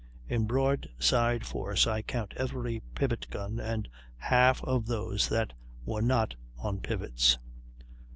In broadside force I count every pivot gun, and half of those that were not on pivots.